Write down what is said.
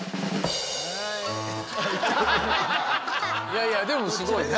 いやいやでもすごいね。